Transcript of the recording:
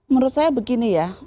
menurut saya begitu